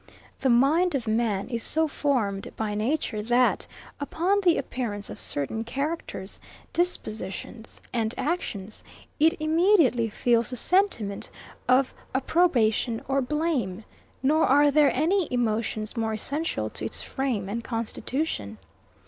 The mind of man is so formed by nature that, upon the appearance of certain characters, dispositions, and actions, it immediately feels the sentiment of approbation or blame; nor are there any emotions more essential to its frame and constitution.